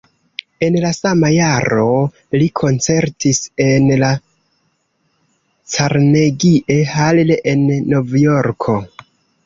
En la sama jaro li koncertis en la Carnegie Hall en Novjorko.